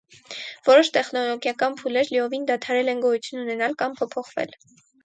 Որոշ տեխնոլոգիական փուլեր լիովին դադարել են գոյություն ունենալ կամ փոփոխվել են։